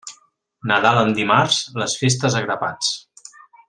Nadal en dimarts, les festes a grapats.